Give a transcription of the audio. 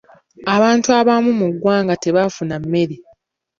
Abantu abamu mu ggwanga tebaafuna mmere.